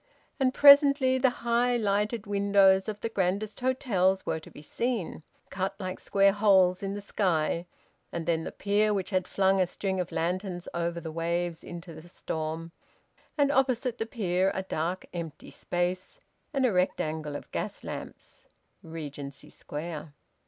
And presently the high lighted windows of the grandest hotels were to be seen, cut like square holes in the sky; and then the pier, which had flung a string of lanterns over the waves into the storm; and opposite the pier a dark empty space and a rectangle of gas lamps: Regency Square.